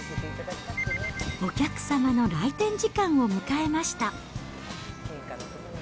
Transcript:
お客様の来店時間を迎えました。